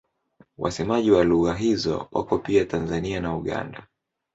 Wasemaji wa lugha hizo wako pia Tanzania na Uganda.